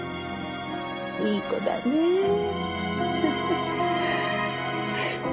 いい子だねえフフ。